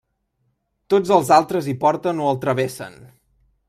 Tots els altres hi porten o el travessen.